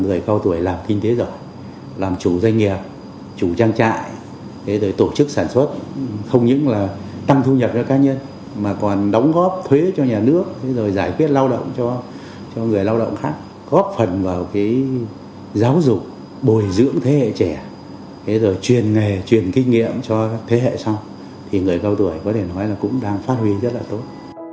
người cao tuổi làm kinh tế giỏi làm chủ doanh nghiệp chủ trang trại tổ chức sản xuất không những là tăng thu nhập cho cá nhân mà còn đóng góp thuế cho nhà nước giải quyết lao động cho người lao động khác góp phần vào giáo dục bồi dưỡng thế hệ trẻ truyền nghề truyền kinh nghiệm cho thế hệ sau thì người cao tuổi có thể nói là cũng đang phát huy rất là tốt